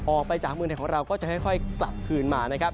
ออกไปจากพื้นไทยครับเราก็จะค่อยกลับคลื่นมานะครับ